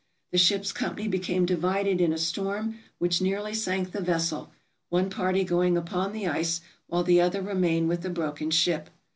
The ship's company became divided in a storm which nearly sank the vessel, one party going upon the ice, while the other remained with the broken ship.